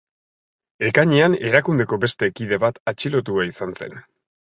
Ekainean erakundeko beste kide bat atxilotua izan zen.